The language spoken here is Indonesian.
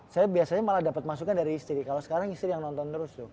saya biasanya malah dapet masuknya dari istri kalo sekarang istri yang nonton terus tuh